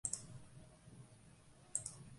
No se conocen con certeza sus orígenes familiares.